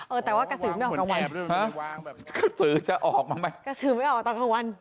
เออแต่ว่ากระสือไม่ออกกลางวันกระสือจะออกมาไหมกระสือไม่ออกตอนกลางวัน